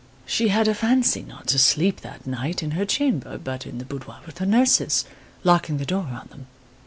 She had a fancy not to sleep that night in her chamber, but in the boudoir with her nurses, locking the door on them.